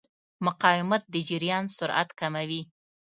مقاومت د جریان سرعت کموي.